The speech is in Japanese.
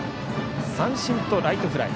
三振とライトフライ。